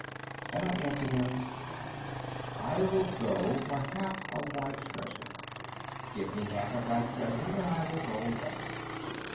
'And I answered him, "I will go for half of thy treasure. Give me half of thy treasure, and I will go away."